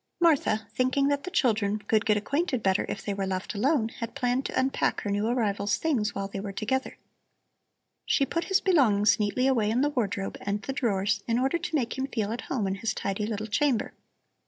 Martha, thinking that the children could get acquainted better if they were left alone, had planned to unpack her new arrival's things while they were together. She put his belongings neatly away in the wardrobe and the drawers in order to make him feel at home in his tidy little chamber.